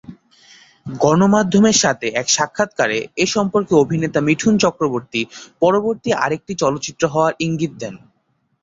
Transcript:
গণমাধ্যমের সাথে এক সাক্ষাতকারে এ সম্পর্কে অভিনেতা মিঠুন চক্রবর্তী পরবর্তী আরেকটি চলচ্চিত্র হওয়ার ইঙ্গিত দেন।